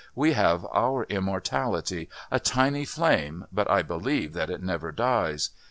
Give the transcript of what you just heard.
"We have our immortality a tiny flame, but I believe that it never dies.